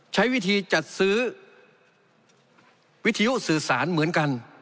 ใช้วิธีจัดซื้อวิทยุสื่อสารเหมือนกัน